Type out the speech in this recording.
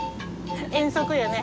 遠足よね。